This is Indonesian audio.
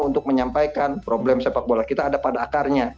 untuk menyampaikan problem sepak bola kita ada pada akarnya